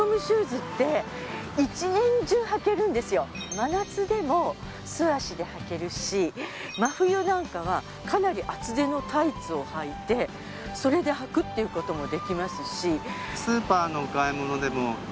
真夏でも素足で履けるし真冬なんかはかなり厚手のタイツをはいてそれで履くっていう事もできますし。